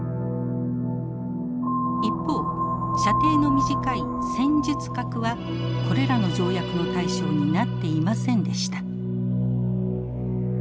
一方射程の短い戦術核はこれらの条約の対象になっていませんでした。